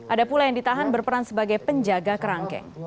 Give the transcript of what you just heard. ada pula yang ditahan berperan sebagai penjaga kerangkeng